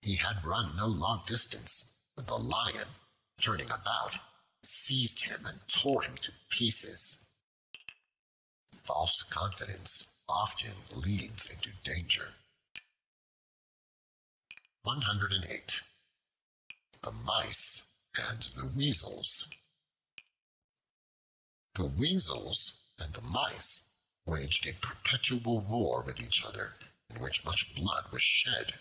He had run no long distance, when the Lion, turning about, seized him and tore him to pieces. False confidence often leads into danger. The Mice and the Weasels THE WEASELS and the Mice waged a perpetual war with each other, in which much blood was shed.